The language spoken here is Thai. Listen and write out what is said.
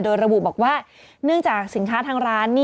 โดยระบุบอกว่าเนื่องจากสินค้าทางร้าน